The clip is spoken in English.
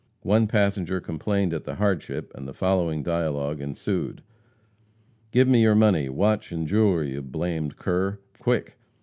One passenger complained at the hardship, and the following dialogue ensued: "Give me your money, watch and jewelry, you blamed cur! quick!"